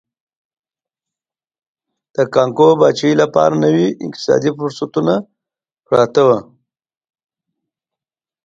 د کانګو پاچاهۍ لپاره نوي اقتصادي فرصتونه پراته وو.